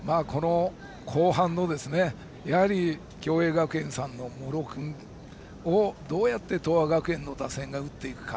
後半の共栄学園さんの茂呂君をどうやって東亜学園の打線が打っていくか。